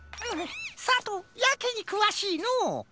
さとうやけにくわしいのう。